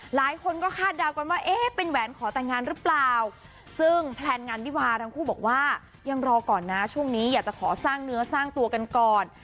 หลายคนก็คาดเดากันว่าเอ๊ะเป็นแหวนขอแต่งงานหรือเปล่าซึ่งแพลนงานวิวาทั้งคู่บอกว่ายังรอก่อนนะช่วงนี้อยากจะขอสร้างเนื้อสร้างตัวกันก่อน